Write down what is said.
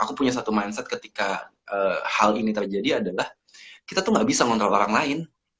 aku punya satu mindset ketika hal ini terjadi adalah kita tuh gak bisa ngontrol orang lain